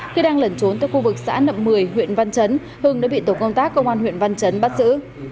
khi đang lẩn trốn tới khu vực xã nậm một mươi huyện văn chấn hưng đã bị tổ công tác công an huyện văn chấn bắt giữ